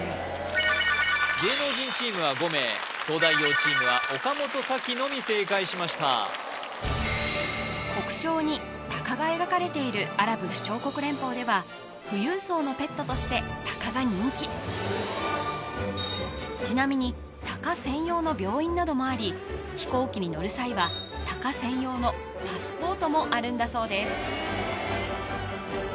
芸能人チームは５名東大王チームは岡本沙紀のみ正解しました国章にタカが描かれているアラブ首長国連邦では富裕層のペットとしてタカが人気ちなみにタカ専用の病院などもあり飛行機に乗る際はもあるんだそうです